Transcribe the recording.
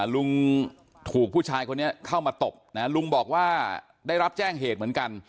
ลุงถูกผู้ชายคนนี้เข้ามาตบนะลุงบอกว่าได้รับแจ้งเหตุเหมือนกัน